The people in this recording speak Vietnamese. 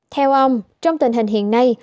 theo ông trong tình hình hiện nay